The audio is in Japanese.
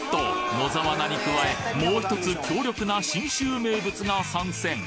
野沢菜に加えもう１つ強力な信州名物が参戦！